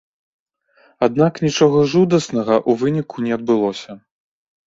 Аднак нічога жудаснага ў выніку не адбылося.